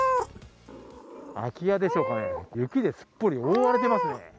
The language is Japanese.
空き家でしょうかね、雪ですっぽり覆われていますね。